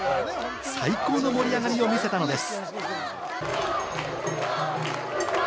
最高の盛り上がりを見せたのです。